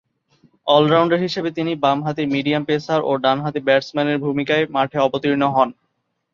All-rounder হিসেবে তিনি বামহাতি মিডিয়াম পেসার ও ডানহাতি ব্যাটসম্যানের ভূমিকায় মাঠে অবতীর্ণ হন।